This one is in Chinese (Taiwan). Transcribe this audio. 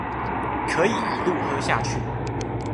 可以一路喝下去